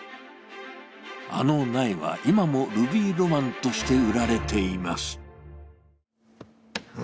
あの苗は今もルビーマロンとして売られています。